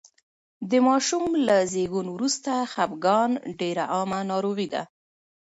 د ماشوم له زېږون وروسته خپګان ډېره عامه ناروغي ده.